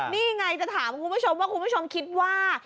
นี่ไงจะถามคุณผู้ชมว่าคุณผู้ชมคิดว่า